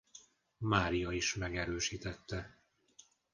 Mária is megerősítette.